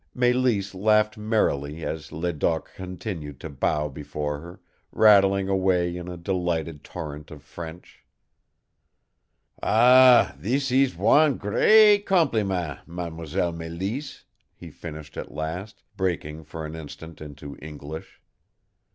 Mélisse laughed merrily as Ledoq continued to bow before her, rattling away in a delighted torrent of French. "Ah, thes ees wan gr r reat compleeman, M'selle Mélisse," he finished at last, breaking for an instant into English.